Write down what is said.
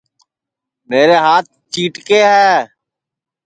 میرے ہات چِیٹکے ہے